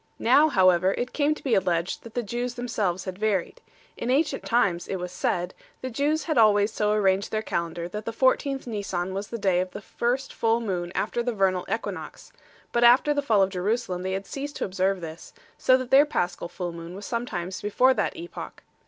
Now, however, it came to be alleged that the Jews themselves had varied. In ancient times (it was said) the Jews had always so arranged their calendar that the 14th Nisan was the day of the first full moon after the vernal equinox ; but after the fall of Jerusalem they had ceased to observe this, so that their Paschal full moon was sometimes before that epoch*.